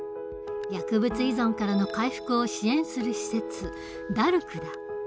薬物依存からの回復を支援する施設ＤＡＲＣだ。